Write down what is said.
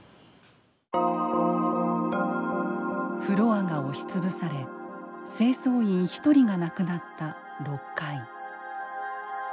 フロアが押し潰され清掃員１人が亡くなった６階。